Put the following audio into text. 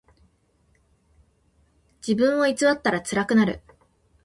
自分を偽ったらつらくなる。